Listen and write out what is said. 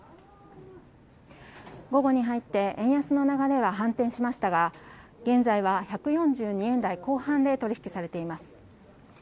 午後に入って円安の流れは安定しましたが現在は１４２円台後半で取引されています。